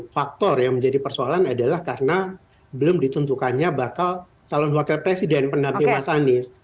faktor yang menjadi persoalan adalah karena belum ditentukannya bakal calon wakil presiden pendamping mas anies